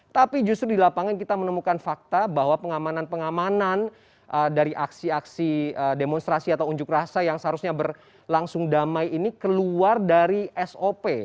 tapi justru di lapangan kita menemukan fakta bahwa pengamanan pengamanan dari aksi aksi demonstrasi atau unjuk rasa yang seharusnya berlangsung damai ini keluar dari sop